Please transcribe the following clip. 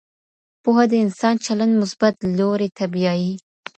پوهه د انسان چلند مثبت لوري ته بيايي.